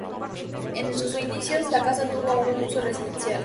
En sus inicios, la casa tuvo un uso residencial.